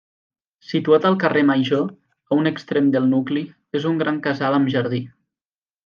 Situat al carrer Major, a un extrem del nucli, és un gran casal amb jardí.